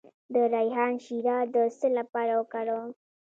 د ریحان شیره د څه لپاره وکاروم؟